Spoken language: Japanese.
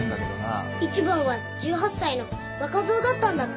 １番は１８歳の若造だったんだって。